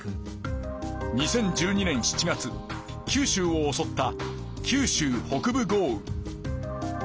２０１２年７月九州をおそった九州北部豪雨。